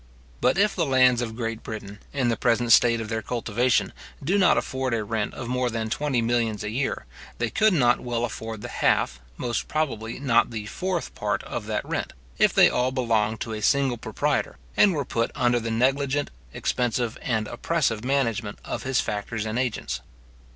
But if the lands of Great Britain, in the present state of their cultivation, do not afford a rent of more than twenty millions a year, they could not well afford the half, most probably not the fourth part of that rent, if they all belonged to a single proprietor, and were put under the negligent, expensive, and oppressive management of his factors and agents.